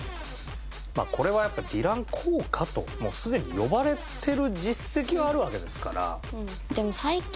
まあこれはやっぱディラン効果とすでに呼ばれてる実績があるわけですから。